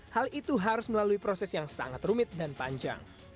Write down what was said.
hal itu harus melalui proses yang sangat rumit dan panjang